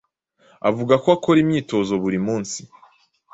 avuga ko akora imyitozo buri munsi